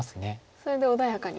それで穏やかに。